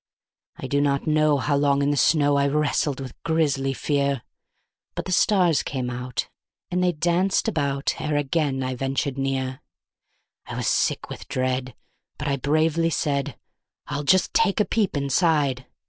I do not know how long in the snow I wrestled with grisly fear; But the stars came out and they danced about ere again I ventured near; I was sick with dread, but I bravely said: "I'll just take a peep inside.